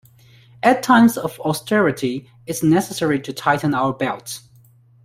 At times of austerity, it's necessary to tighten our belts.